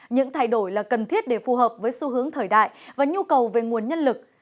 những thay đổi là cần thiết để phù hợp với xu hướng thời đại và nhu cầu về nguồn nhân lực